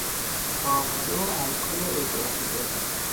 به آبجو الکل اضافی زدن